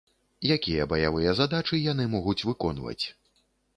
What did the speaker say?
Якія баявыя задачы яны могуць выконваць?